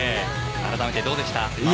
改めてどうでした？